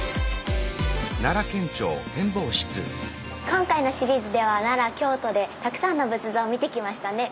今回のシリーズでは奈良・京都でたくさんの仏像を見てきましたね。